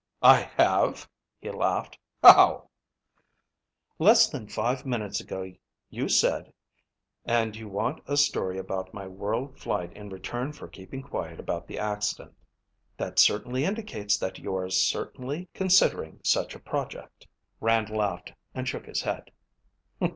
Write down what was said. "I have?" he laughed. "How?" "Less than five minutes ago you said 'And you want a story about my world flight in return for keeping quiet about the accident?' That certainly indicates that you are seriously considering such a project." Rand laughed and shook his head.